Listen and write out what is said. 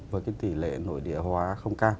với cái tỷ lệ nội địa hóa không cao